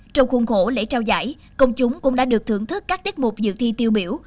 trong khuôn khổ lễ trao giải công chúng cũng đã được thưởng thức các tiết mục dự thi tiêu biểu